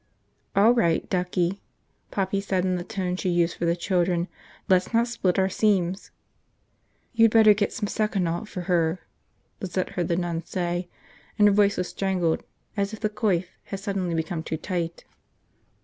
"All right, ducky," Poppy said in the tone she used for the children. "Let's not split our seams." "You'd better get some seconal for her," Lizette heard the nun say, and her voice was strangled as if the coif had suddenly become too tight.